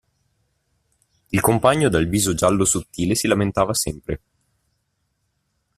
Il compagno dal viso giallo sottile si lamentava sempre.